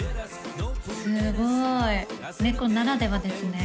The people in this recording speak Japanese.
すごい猫ならではですね